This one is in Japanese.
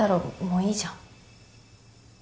もういいじゃん。